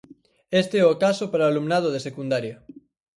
Este é o caso para o alumnado de secundaria.